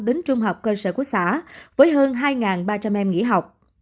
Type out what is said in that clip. đến trung học cơ sở của xã với hơn hai ba trăm linh em nghỉ học